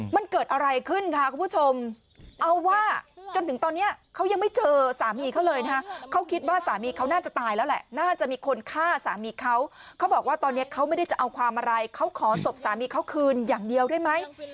มันเกิดอะไรขึ้นค่ะคุณผู้ชมเอาว่าจนถึงตอนนี้เขายังไม่เจอสามีเขาเลยนะคะเขาคิดว่าสามีเขาน่าจะตายแล้วแหละน่าจะมีคนฆ่าสามีเขาเขาบอกว่าตอนนี้เขาไม่ได้จะเอาความอะไรเขาขอศพสามีเขาคืนอย่างเดียวได้ไหม